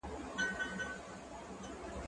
زه به سبا درسونه واورم!؟